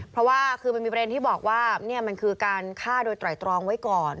เพราะว่าคือมันมีประเด็นที่บอกว่านี่มันคือการฆ่าโดยไตรตรองไว้ก่อน